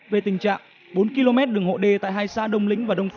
về tình trạng bốn km đường hộ đê tại hai xã đông lĩnh và đông phú